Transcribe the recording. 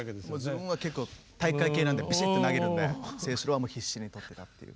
自分は結構体育会系なんでビシッと投げるので清史郎はもう必死に捕ってたっていう。